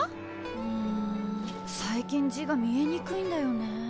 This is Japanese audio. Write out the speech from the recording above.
んー最近字が見えにくいんだよね。